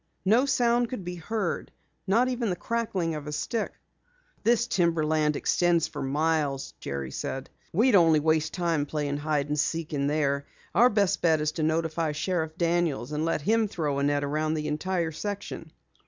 No sound could be heard, not even the crackling of a stick. "This timber land extends for miles," said Jerry. "We'd only waste time playing hide and seek in there. Our best bet is to notify Sheriff Daniels and let him throw a net around the entire section."